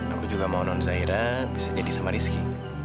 aku juga mau non zahira bisa jadi sama rizky